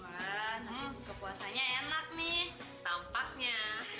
enak nih tampaknya